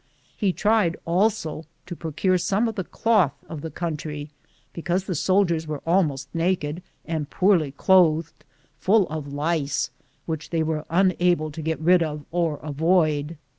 He tried also to procure some of the cloth of the country, because the soldiers were almost naked and poorly clothed, full of lice, which they were unable to get rid of or avoid.